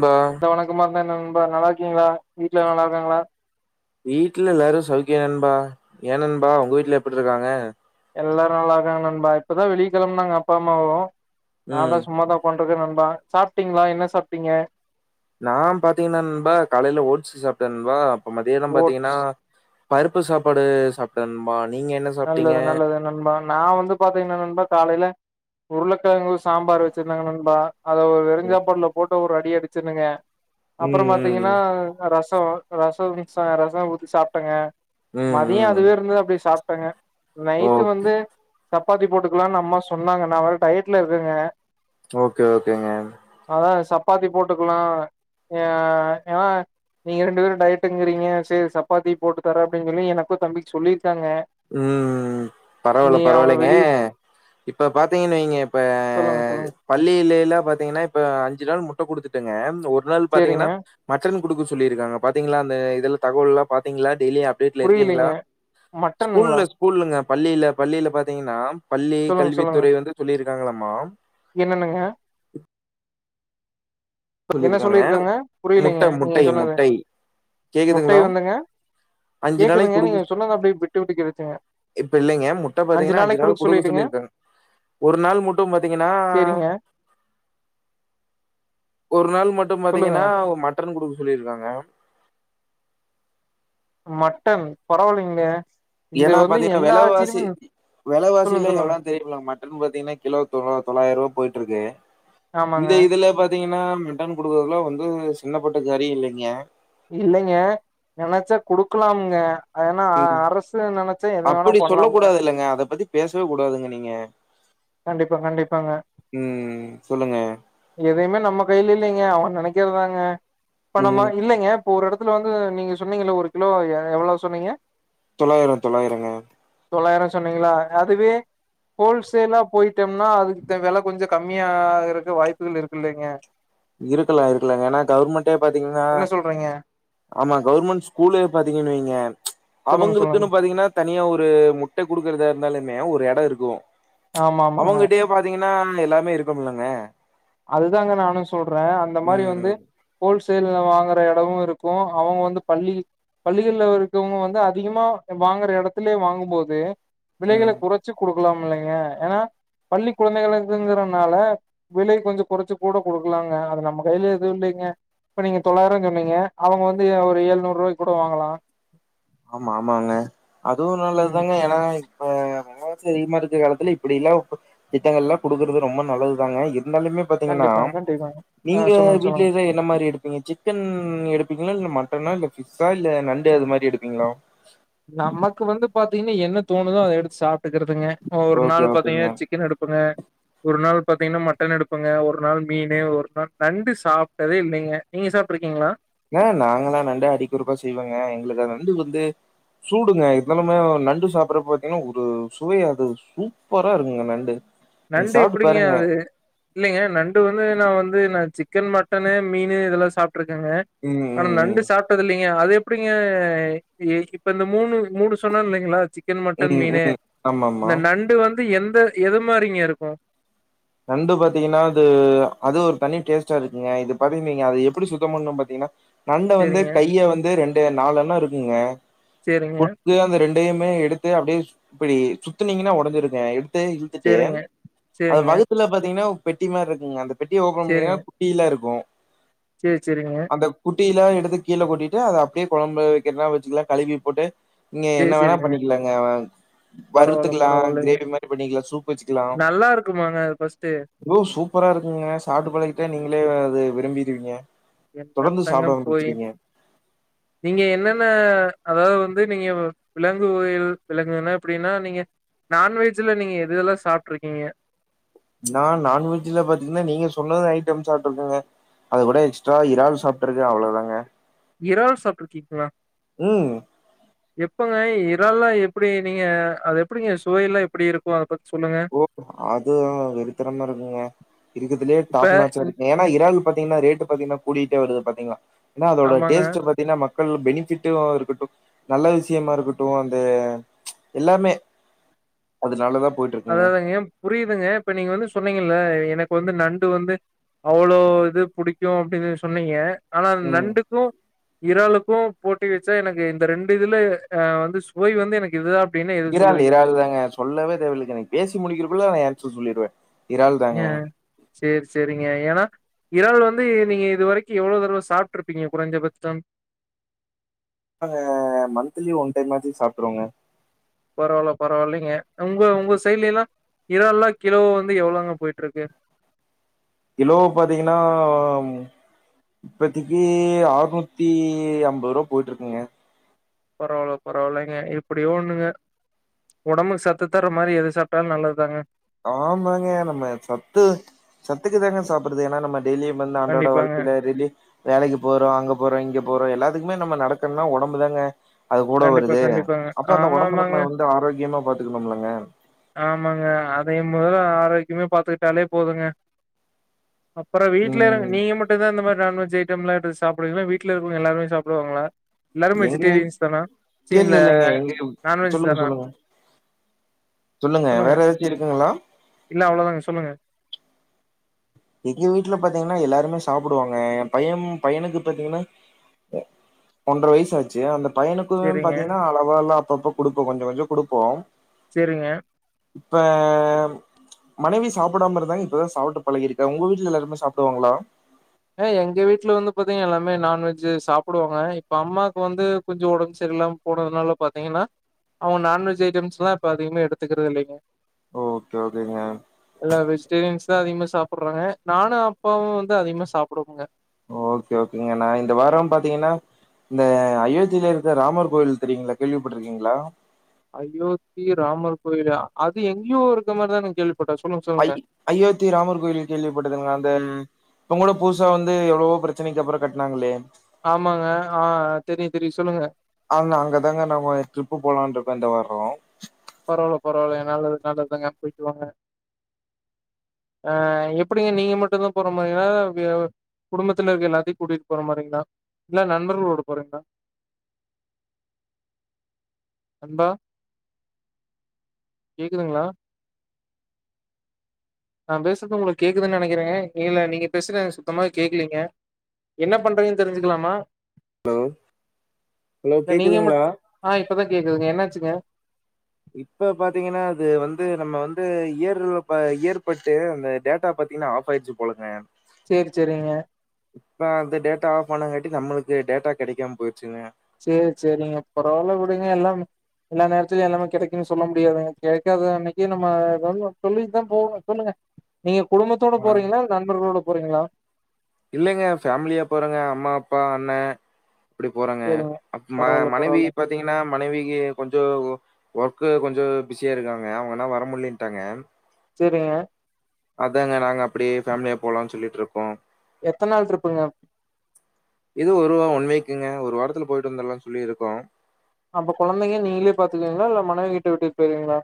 பா அ வணக்கமா இருந்தா என்ன நண்பா நல்லா இருக்கீங்களா வீட்ல எல்லா நல்லாருக்காங்களா? வீட்ல எல்லாரு சௌக்கியோ நண்பா ஏ நண்பா உங்க வீட்ல எப்டிருக்காங்க? எல்லாரு நல்லாருகாங்க நண்பா இப்பதா வெளிய கெளம்புனாங்க அப்பா அம்மாவு ம் நாந்தா சும்மாதா உக்கான்ட்ருக்க நண்பா சாப்ட்டிங்ளா என்ன சாப்ட்டிங்க? நா பாத்தீங்கனா நண்பா காலைல ஓட்ஸ் சாப்ட்டே நண்பா ப்ப மதியல்லா பாத்தீங்கன்னா ஓட்ஸ் பருப்பு சாப்பாடு சாப்ட்டே நண்பா நீங்க என்ன ஸ் நல்லது நல்லதுன் நண்பா நா வந்து பாத்தீங்னா நண்பா காலைல உருளக்கெழங்கு சாம்பார் வெச்சிருந்தாங்க நண்பா. அத ஒரு வெறுஞ்சாப்பாட்ல போட்டு ஒரு அடி அடிச்சனுங்க அப்புறோ ம் ம் பாத்தீங்கன்னா ரசோ ரசோ மிக்ஸ்சா ரசோ ஊத்தி சாப்டங்க ம் மதியோ ம் அதுவே இருந்துது அப்டியே சாப் டங்க ஓ நைட்டு வந்து சப்பாத்தி போட்டுக்கலானு அம்மா சொன்னாங்க நா வேற டயட்ல இருக்கங்க. ஓகே ஓகேங்க. அதா சப்பாத்தி போட்டுக்கலா எ ஏனா நீங்க ரெண்டு பேரு டயட்டுங்குறீங்க சேரி சப்பாத்தி போட்டு தர அப்டின் சொல்லி எனக்கு தம்பிக்கு சொல்லிர்க்காங்க. அ அ அ. பரவால பரவாலைங்க வெளிய இப்ப பாத்தீங்கன் வெய்ங்க இப்ப சொல்லுங்க சொல்லுங்க பள்ளியில எல்லா பாத்தீங்கனா இப்ப அஞ்சு நாள் முட்ட குடுத்துட்டுங்க ஒரு நாள் சேரிங்க பாத்தீங்கன்னா மட்டன் குடுக்க சொல்லிருக்காங்க பாத்தீங்களா அந்த இதுல் தகவல்லா பாத்தீங்களா டெய்லி அப்டேட்ல புரியலீங்க இருக்கீங்ளா? மட்டனுங்களா ஸ்கூல்ல ஸ்கூல்லுங்க பள்ளில பள்ளில பாத்தீங்கனா பள்ளி சொல்லுங்க சொல்லுங்க கல்வித்துறை வந்து சொல்லிருக்காங்களம்மா. என்னன்னுங்க? என்ன சொல்லியிருக்காங்க. சொல்லிருக்காங்க புரியலிங்க முட்டை நீங்க முட்டை சொன்னது முட்டை கேக்குதுங்களா? முட்டைய வந்துங்க நாளைக்கு கேக்குதுங்க குடுக்க நீங்க சொன்னது அப்டியே விட்டு விட்டு கேட்டுச்சுங்க. இப்ப இல்லைங்க முட்ட பாத்தீங்கனா அஞ்சு நாள் குடுக்க சொல்லிருக்காங். ஒரு நாள் முட்டும் பாத்தீங்கனா சேரிங்க ஒரு நாள் மட்டும் சொல்லுங்க பாத்தீங்கன்னா மட்டன் குடுக்க சொல்லிருக்காங்க. மட்டன் பரவாலிங்ளே. ஏனா பாத்தீங்கனா வெலவாசி வெலவாசி சொல்லுங்க எல்லா சொல்லுங்க எவளா தேடிபுல்லா மட்டன் பாத்தீங்கனா கிலோ தொளா தொளாய்ருவா போயிட்ருக்கு. ஆமாங்க இந்த இதுல பாத் தீங்கன்னா மிட்டன் குடுக்கறதுல்லா வந்து சின்ன பட்ட காரியோ இல்லைங்க. இல்லைங்க நெனச்சா குடுக்கலாம்ங்க. அது ஏனா அ ம். அரசு நெனச்சா எது வேணா அப்படி சொல்ல பண்லாமுங்க. கூடாது இல்லங்க அத பத்திப் பேசவே கூடாதுங்க நீங்க கண்டிப்பா கண்டிப்பாங்க ம் ம் சொல்லுங்க. எதையுமே நம்ம கையில இல்லைங்க அவங்க நெனைக்கிறதாங்க இப்ப நம்ம ம் இல்லைங்க இப்ப ஒரு எடத் துல வந்து நீங்க சொன்னீங்கள்ல ஒரு கிலோ எ எவ்ள சொன்னீங்க? தொளாயிரோ தொளாயிரங்க. தொளாயிரோ சொன்னீங்களா அதுவே ஹோல்சேலாப் போயிட்டோம்னா அதுக்கு தேவையல்ல கொஞ்ச கம்மியா ஆகறதுக்கு வாய்ப்புகள் இருக்குலேங்க இருக்கலா இருக்கலாங்க ஏன்னா கவர்மெண்ட்டே பாத்தீங்கன்னா என்ன சொல்றீங்க ஆமா கவர்மெண்ட் ஸ்கூல்லே பாத்தீங்கன்னு வைங்க சொல்லுங்க சொல்லுங்க அவங்களுக்குன்னு பாத்தீங்கன்னா தனியா ஒரு முட்டை குடுக்கறதாயிருந்தாலுமே ஒரு எடம் இருக்கு ஆமா ஆமாங்க அவங்கிட்டயே பாத்தீங்கன்னா எல்லாமே இருக்குமிலேங்க அதுதாங்க நானு சொல்றே அந்த மாரி ம் வந்து ஹோல்சேல்ல வாங்குற எடமு இருக்கு அவங்க வந்து பள்ளி பள்ளிகள்ல இருக்கவங்க வந்து அதிகமா வாங்குற எடத்துலே வாங்கும் போது விலைகளை ம் குறைச்சி குடு கலாமில்லீங்க ஏன்னா பள்ளி குழந்தைகங்கறனால விலைக் கொஞ்ச குறைச்சு கூட குடுக்கலாங்க அது நம்ம கையில எதுவு இல்லைங்க இப்ப நீங்க தொள்ளாயிரம்னு சொன்னீங்க அவ்ங்க வந்து ஒரு ஏழுநூறு ரூபாய்க்கு கூட வாங்கலா ஆமா ஆமாங்க அதுவு ம் நல்லதுதாங்க ஏன்னா ஆ [unintelligible] அதிகமா இருக்க காலத்துல இப்டி எல்லா திட்டங்கள் எல்லா குடுக்கறது ரொம்ப நல்லதுதாங்க இருந்தாலுமே பாத்தீங்கன்னா கண்டிப்பாங்க கண்டிப்பாங்க ஆ நீங்க சொல்லுங்க சொல்லுங்க வீடலேத இரு எந்த மாரி எடுப்பீங்க சிக்கன் எடுப்பீங்களா இல்ல மட்டனா இல்ல பிஷ்ஷா இல்ல நண்டு அது மாரி எடுப் ப்ங்களா நமக்கு வந்து பாத்தீங்கன்னா என்ன தோணுதோ அத எடுத்து சாப்பிட்டுக்கறதுங்க ஒரு ஓகே நாள் ஓகேங்க பாத்தீங்கன்னா சிக்கன் எடுப்பங்க ஒரு நாள் பாத்தீங்கன்னா மட்டன் எடுப்புங்க ஒரு நாள் மீனு ஒரு நாள் நண்டு சாப்பிட்டதே இல்லைங்க நீங்க சாப்பிட்டு இருக்கீங்களா ஆ நாங்கல்லா நண்டு அடிக்கொருக்கா செய்வாங்க எங்களுக்கு நண்டு வந்து சூடுங்க இருந்தாலுமே நண்டு சாப்பிடற பாத்தீங்கன்னா ஒரு சுவைய அது சூப்பரா இருக்குங்க நண்டு நீங்க நண்டு சாப்ட்டு எப்டிங்க பாருங்க அது இல்லைங்க நண்டு வந்து நா வந்து நா சிக்கன் மட்டனு மீனு இதெல்லா சாப்பிட்டுருக்கேங்க ம் நண்டு ம் சாப்டது இல்லைங்க அது எப்டிங்க இ இப்ப இந்த மூணு மூணு சொன்னேல்லைங்களா சி க்கன் மட்டன் ம் ம் மீனு ம் ஆமாமா இந்த நண்டு வந்து எந்த எது மாரிங்க இருக்கு நண்டு பாத்தீங்கன்னா அது அது ஒரு தனி டேஸ்டா இருக்குங்க இது பாத்தீங்கீங்க அது எப்டி சுத்தம் பண்ணும்னு பாத்தீங்கன்னா நண்ட வந்து சரிங்க, கைய வந்து ரெண்டு நாலுல்லா இருக்குங்க சேரிங்க இது அந்த ரெண்டையுமே எடுத்து அப்டியே இப்டி சுத்துனீங்கன்னா ஒடஞ்சிருக்கே எடுத்து து இழுந்துடு சரிங்க, அது சரிங்க, வகுத் உள்ள பாத்தீங்கன்னா பெட்டி மாரி இருக்குங்க அந்த பெட்டியை ஓபன் பண்ணிகளுன குடிய்ர்ல்லா இருக்கு சேரி செரிங்க அந்த குட்டிலா எடுத்து கீழே கொட்டிட்டு அத அப்டியே கொழம்பு வெகிறனா வச்சுக்கலா கழுவி போட்டு நீங்க சரி, என்ன வேணா சரிங்க. பண்ணிக்கலாங்க அவ பரவால்ல, வறுத்துக்கலா பரவால்லங்க. கிரேவி மாதிரி பண்ணிக்கலா சூப் வச்சுக்கலா நல்லா இருக்குமாங்க அது ஃபர்ஸ்ட்டு? அவ்ளோ சூப்பரா இருக்குங்க சாப்பட்டு பழகிட்ட நீங்களே அது விரும்பிடுவீங்க தொடர்ந்து என்னத்தங்க சாப்பிட போய் ஆரம்பச்சுறீங்க நீங்க என்னென்ன அதாவது வந்து நீங்க விலங்கு வகையில் விலங்குனா எப்டின்னா நீங்க நான்வெஜ்ஜூ நீங்க எதுெல்லா சாப்பிட்டுருக்கீங்க நான் நான்வெஜ்ல பாத்தீங்கன்னா நீங்க சொன்னது ஐட்டம் சாப்பிருக்கீங்க அது கூட எக்ஸ்ட்ரா இறால் சாப்பிட்டுருக்கு அவ்வளதாங்க இறால் சாப்பிருக்கீங்களா ம் எப்போங்க இறால்லா எப்படி நீங்க அது எப்டிங்க சுவையெல்லா எப்டி இருக் க்குவா அத பத்தி சொல்லுங்க ஓ அது வெறித்தரமா இருக்குங்க இருக்குதுலயே இப்ப டாப் நாச்சா இருக்கு ஏ ன்னா இறால் பாத்தீகன்னா ரேட்டு பாத்தீங்கனா கூடிகிட்டே வருது பாத்தீங்கங்ளா அதோட ஆமாங்க. டேஸ்ட்ட பத் பாத்தின்னா மக்கள் பெனிபிட்டு இருக்கட்டும் நல்ல விஷயமா இருக்கட்டு அந்த எல்லாமே அதுனால தா போயிட்ருக் அததாங்க ஏ புரியுதுங்க இப்ப நீங்க வந்து சொன்னீங்கல்ல எனக்கு வந்து நண்டு வந்து அவளோ இது புடிக்கு அப்டின்னு சொன்னீங்க ஆனா ம். நண்டுக்கு இறாலுக்கு போட்டி வச்சா எனக்கு இந்த ரெண்டு இதுல அ வந்து சுவை வந்து எனக்கு இதுதா இறால் இறால் தாங்க சொல்லவே தேவயில்லைங்க எனக்கு பேசி முடிக்கிருக்குள்ள ஏய்ஞ்சு சொல்லிருவே ஏ சேரி சேரிங்க ஏன்னா இறால் வந்து நீங்க இது வரைக்கு எவ்ளோ தடவ சாப்ட்டு இருப்பீங்க குறைஞ்ச பட்சம் அத மந்த்லி ஒன் டைம் ஆச்சு சாப்ட்ருவோங்க பரவால்ல பரவால்லைங்க உங்க உங்க சைட்லெல்லா இறால்லா கிலோ வந்து எவ்ளோங்க போயிட்ருக்கு கிலோ பாத்தீங்கன்னா இப்பத்திக்கி ஆறநூத்தி அம்பதுரூவா போயிட்ருக்குங்க பரவால்ல பரவால்லேங்க எப்புடியோ ஒண்ணுங்க ஒடம்புக்கு சத்து தர்ற மாரி எது சாப்ட்டாலு நல்லது தாங்க ஆமாங்க நம்ம சத்து சத்துக்கு தாங்க சாப்புட்றது ஏன்னா நம்ம டெய்லியும் வந்து அன்றாட கண்டிப்பாங்க வாழ்க்கையில டெலி வேலக்கி போறோ அங்க போறோ இங்க போறோ எல்லாத்துக்குமே நம்ம நடக்கணுன்னா ஒடம்பு தாங்க அது கூட கண்டிப்பா வருது கண்டிப்பாங்க அப்போ அந்த ஆமா ஒடம்ப ஆமாங்க நம்ம வந்து ஆரோக்கியமா பாத்துக்கணும்லங்க ஆமாங்க அதயே மொதல்ல ஆரோக்கியமா பாத்துக்கிட்டாலே போதுங்க அப்பறோ வீட்ல இருங்க ம் நீங்க மட்டுந்தா இந்த மாரி நான்வெஜ் ஐட் ட்டம்லா எடுத்து சாப்புடுவீங்களா வீட்ல இருக்கவுங்க எல்லாருமே சாப்புடுவாங்களா எல்லாரும் வெஜிடேரியன்ஸ் தானா சீ ங்கே இல்ல இல்லல்லேங்க இங்க நான்வெஜ் சொல்லுங்க தானா சொல்லுங்க சொல்லுங்க வேற எதாச்சு இருக்குங்களா இல்ல அவ்ளோதாங்க சொல்லுங்க எங்க வீட்டுல பாத்தீங்கன்னா எல்லாருமே சாப்புடுவாங்க எம் பயம் பையனுக்கு பாத்தீங்கன்னா எ ஒன்றர வயசு ஆச் சேர் அந்த பையனுக்கும் சேரிங்க பாத்தீங்கன்னா அளவா எல்லா அப்பப்ப குடுப்போ கொஞ்ச கொஞ்ச குடுப்போம் செரிங்க இப்ப மனைவி சாப்புடாம இருந்தாங்க இப்பதா சாப்புட்டு பழகி இருக் ங்க உங்க வீட்ல எல்லாருமே சாப்புடுவாங்களா அ எங்க வீட்டுல வந்து பாத்தீங்க எல்லாமே நான்வெஜ்ஜு சாப்புடுவாங்க இப்ப அம்மாக்கு வந்து கொஞ்ச ஓடம்பு சரியில்லாம போனதுனால பாத்தீங்கென்னா அவுங்க நான்வெஜ் ஐட்டம்ஸ்லா இப்ப அதிகமா எடுத்துக்குறது இல்லேங்க ஓ ஓகே ஓகேங்க எல்லா வெஜிடேரியன்ஸ் தா அதிகமா சாப்புட்றாங்க நானு அப்பாவும் வந்து அதிகமா சாப்புடுவோங்க ஓகே ஓகேங்க நா இந்த வாரம் பாத்தீங்கென்னா இந்த அயோத்தில இருக்குற ராமர் கோயில் தெரியுங்களா கேள்விப்பட்ருக்கீங்களா அயோத்தி ராமர் கோயிலா அது எங்கேயோ இருக்கற் மாரிதான கேள்விப்பட்டே சொல்லுங்க ஐ சொல்லுங்க அயோத்தி ராமர் கோயில் கேள்விப்பட்டதுங்களா அந்த இப்பங் கூட புதுசா வந்து எவ்வளவோ பிரச்சனைக்கு அப்பறோ கட்னாங்களே ஆமாங்க ஆ தெரியு தெரியு சொல்லுங்க ஆனா அங்கதாங்க நம்ம ட்ரிப்பு போலான்ருக்கோ இந்த வாரோம் பரவால்ல பரவால்ல என் நல்லது நல்லதுதாங்க போய்ட்டு வாங்க ஆ எப்புடிங்க நீங்க மட்டுந்தா போற மாரியா [unintelligible] குடும்பத்துல இருக்க எல்லாத்தையு கூட்டிட்டு போற மாரிங்ளா இல்ல நண்பர்களோட போறீங்ளா நண்பா கேக்குதுங்களா நான் பேசறது உங்களுக்கு கேக்குதுன்னு நெனைக்கிற இல்ல நீங்க பேசுறது சுத்தமா கேக்கலீங்க என்ன பண்றீங்கன்னு தெரிஞ்சுக்கலாமா ஹலோ இல்ல நீங்க மட் கேக்குதுங்களா ஆ இப்பதா கேக்குதுங்க என்னாச்சுங்க இப்ப பாத்தீங்கன்னா அது வந்து நம்ம வந்து இயர்லூப்பா இயர்பட்டு அந்த டேட்டா பாத்தீங்கன்னா ஆப் கட் ஆயிருச்சு போலங்க சேரி சேரிங்க இப்ப அந்த டேட்டா ஆஃப் ஆனாங்காட்டி நம்மளுக்கு டேட்டா கெடைக்காம போயிருச்சுங்க சேரி சேரிங்க பரவால்ல விடுங்க எல்லா எல்லா நேரத்துலயு எல்லாமே கெடைக்குன்னு சொல்ல முடியாதுங்க கெடைக்காத அன்னைக்கு நம்ம ஏதாச்சு சொல்லிட்டுதா போனு சொல்லுங்க நீங்க குடும்பத்தோட ஆம். போறீங்களா இல்ல நண்பர்களோட போறீங்களா இல்லங்க பேமிலியாப் போறங்க அம்மா அப்பா அண்ண அப்டி போறேங்க சேரிங்க அப்ப ம பரவால்ல பரவால்ல மனைவிப் பாத்தீங்கன்னா மனைவிக்கு கொஞ்சோ ஒர்க்கு கொஞ்சோ பிஸியா இருக்காங்க அவங்கனால வர முடிலன்ட்டாங்க சேரிங்க அதாங்க நாங்க அப்டி பேமிலியா போலானு சொல்லிட்ருக்கோ எத்த நாள் ட்ரிப்புங்க இது ஒருவ ஒன் வீக்குங்க ஒரு வாரத்துல போயிட்டு வந்தர்லானு சொல்லிருக்கோ அப்ப கொழந்தீங்க நீங்களே பாத்துக்குவீங்களா இல்ல மனைவிகிட்ட விட்டுட்டு பேய்ருவீங்களா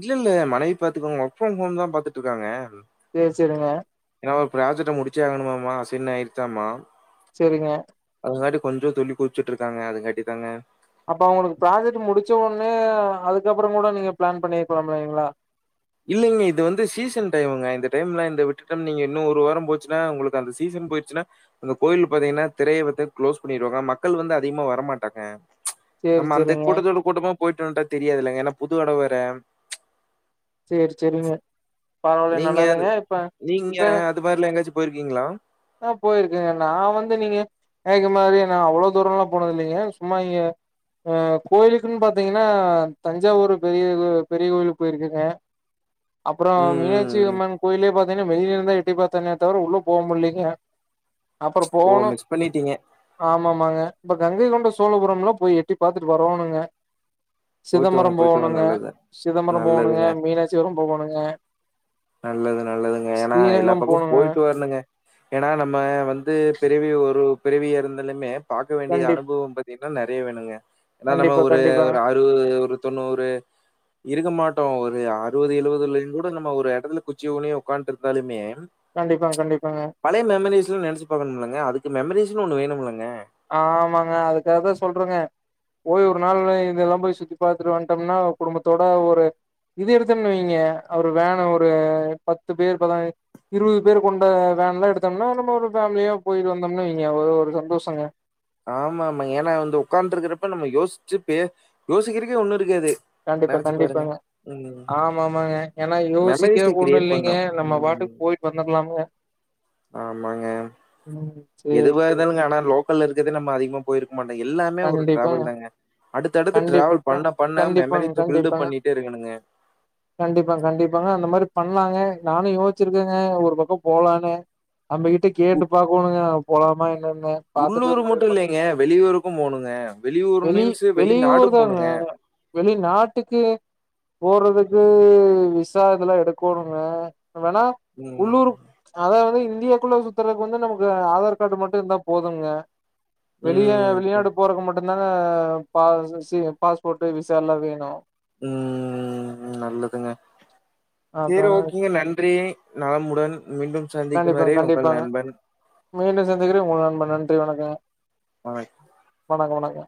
இல்ல இல்ல மனைவி பாத்துக்குவாங்க ஒர்க் ஃப்ரம் ஹோம்தா பாத்துட்ருக்காங்க சேரி சேரிங்க ஏன்னா ஒரு ப்ராஜெக்ட முடிச்சே ஆகணுமமா அசைன் ஆயிர்ச்சாமா சேரிங்க அதங்காட்டி கொஞ்ச துள்ளி குதுச்சுட்ருக்காங்க அதுங்காட்டிதாங்க அப்ப அவுங்களுக்கு ப்ராஜெக்ட் முடிச்ச ஒன்னே அதுக்கப்பறங் கூட நீங்க பிளான் பண்ணிருக்கலாமில்லீங்ளா இல்லைங்க இது வந்து சீசன் டைமுங்க இந்த டைம்லா இந்த விட்டுட்டோனு வைங்க இன்னு ஒரு வாரம் போச்சுன்னா உங்களுக்கு அந்த சீசன் போய் ருச்சுனா அந்த கோயிலு பாத்தீங்கன்னா திரையவிட்டு குளோஸ் பண்ணிருவாங்க மக்கள் வந்து அதிகமா வரமாட்டாங்க ச் சேரி நம்ம அந்த சேரிங்க கூட்டத்தோட கூட்டமா போய்ட்டு வன்ட்டா தெரியாதுல்லங்க ஏன்னா புது எடோ வேற சேரி சேரிங்க பரவால நல்லதுங்க இப்ப அ துப்பார்ட்ல எங்காச்சு போயிருக்கீங்களா ஆ போயிருக்கேங்க நான் வந்து நீங்க ஏக்கு மாதிரி நா அவ்ளோ தூரோல்லா போனதில்லீங்க சும்மா இங்க ஆ கோயிலுக்குனு பாத்தீங்கன்னா அ தஞ்சாவூர் பெரிய கோய் பெரிய கோயிலுக்கு போயிருக்கங்க அப்றோ ம், மீனாட்சி ம், ம். அம்மன் கோயில்லயே பாத்தீங்கன்னா வெளிய நின்னுதா எட்டி பாத்தனே தவர உள்ள போக முடிலீங் [unintelligible] அப்பரோ ஓ! போன மிஸ் பண்ணிட்டீங்க. ஆமாமாங்க இப்ப கங்கை கொண்ட சோழபுரம்லா போய் எட்டி பாத்துட்டு வர்ரோணுங்க போயிட்டு வாங்க, சிதம்பரம் போயிட்டு வாங்க. போவோணுங்க நல்லது. சிதம்பரம் போவோணுங்க நல்லதுங்க. மீனாட்சிபுரம் போவோணுங்க நல்லது நல்லதுங்க ஏன்னா எல்லா ஸ்ரீரங்கம் பக்கமு போணுங்க போயிட்டு வரணுங்க ஏன்னா நம்ம வந்து பிறவி ஒரு பிறவி இருந்தலுமே பாக்க வேண்டிய கண்டிப் அனுபவம் போய் ப்டின்னா நெறைய வேணுங்க ஏன்னா நம்ம கண்டிப்பா ஒரு கண்டிப்பாங்க ஒரு ஆறு ஒரு ஒரு தொண்ணூறு இருக்க மாட்டோ ஒரு அறுவது எழுவதுலயுங்கூட நம்ம ஒரு எ பல்லு குச்சி ஊனி ஒக்கான்ட்டு இருந்தாலுமே கண்டிப்பாங் கண்டிப்பாங்க பழையமெமரிஸ்லா நெனச்சி பாக்கணுமிலங்க அதுக்கு மெமரிஸ்னு ஒன்னு வேணும்லங்க ஆமாங்க அதுக்காகதா சொல்றங்க போய் ஒரு நாள்ன இதெல்லா போய் சுத்தி பாத்துட்டு வன்டம்னா குடும்பத்தோட ஒரு இது எடுத்தம்ன்னு வய்ங்க ஒரு வேனு ஒரு பத்து பேர் பத இருவது பேர் கொண்ட வேன்லா எடுத்தம்னா நம்ம ஒரு ஃபேம்லியா போய்ட்டு வந்தம்னு வய்ங்க ஒரு ஒருசந்தோஷங்க ஆமாமா ஏன்னா வந்து ஒக்காண்ட்ருக்கறப்ப நம்ம யோசிச்சு பே யோசிக்கறக்கே ஒன்னு இருக்காது கண்டிப்பா நெனச்சு பாருங்க. கண்டிப்பாங்க ம். ஆமாமாங்க ஏனா யோசிக்க மெமரீஸ ஒண்ணு கிரியேட் இல்லைங்க பண்ணும். நம்ம ம். பாட்டுக்கு போய் வந்தர்லாம்ங்க ஆமாங்க ம். சரி, சரி. எதுவாருந்தாலுங்க ஆனா லோக்கல்ல இருக்கது நம்ம அதிகமா போய்ருக்க மாட்டோ எல்லாமே ஒரு கண்டிப்பாங்க. டிராவல் தாங்க அடுத்தடுத்து டிராவல் கண்டிப்பா. பண்ண பண்ண கண்டிப்பாங்க, மெமரிஸ்ஸ பில்டப் கண்டிப்பாங்க. பண்ணிட்டே இருக்கணுங்க கண்டிப்பா கண்டிப்பாங்க அந்த மாரி பண்லாங்க நானு யோசிச்சிருக்கேங்க ஒரு பக்கோ போலானு நம்மகிட்ட கேட்டு பாக்கோணுங்க போலாமா என்னன்னு பாத்துட்டு உள்ளூர் முடிவு மட்டு பண்ணி இல்லைங்க வெளியூருக்கு போணுங்க வெளியூரு வெளி மீன்ஸ்ஸு வெளிநாடு வெளியூர் தாங்க. போணுங்க வெளிநாட்டுக்கு போறதுக்கு விசா இதெல்லா எடுக்கோணுங்க வேணா ம். உள்ளூரு அதாவ்து இந்தியாக்குள்ள சுத்தறக்கு வந்து நமக்கு ஆதார் காடு மட்டு இருந்தா போதும்ங்க வெளிய ம். வெளிநாடு போறக்கு மட்டுந்தாங்க பாஸ் சி பாஸ்போட்டு விசாயல்லா வேணு ம் நல்லதுங்க சேரி அதாங்க ஓகேங்க நன்றி நலமுடன் மீண்டும் சந்திக்கும் கண்டிப்பாங்க வரை உங்கள் கண்டிப்பாங்க நண்பன் மீண்டும் சந்திக்கிறே உங்கள் நண்பன் நன்றி வணக்கங்க ஆ வணக்க வணக்க